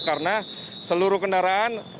karena seluruh kendaraan